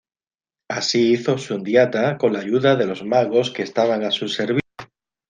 Así hizo Sundiata con la ayuda de los magos que estaban a su servicio.